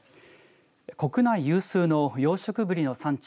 国内有数の養殖ブリの産地